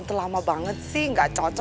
enggak neng dirumah aja